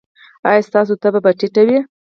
ایا ستاسو تبه به ټیټه وي؟